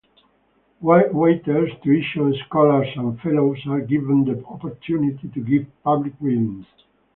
Waiters, Tuition Scholars, and Fellows are given the opportunity to give public readings.